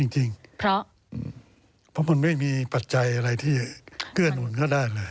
ก็มันไม่มีปัจจัยอะไรที่เกื้อนอุ่นก็ได้เลย